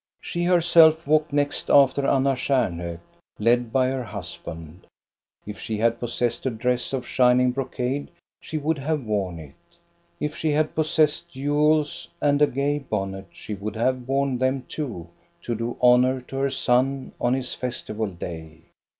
She herself walked next after Anna Stjamhok, led by her husband. If she had possessed a dress of shining brocade, she would have worn it ; if she had possessed jewels and a gay bonnet, she would have worn them too to do honor to her son on his festival day.